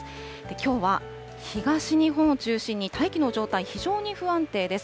きょうは東日本を中心に大気の状態、非常に不安定です。